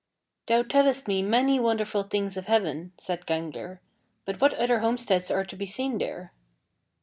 18. "Thou tellest me many wonderful things of heaven," said Gangler, "but what other homesteads are to be seen there?"